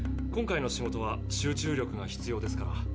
今回の仕事は集中力が必要ですから。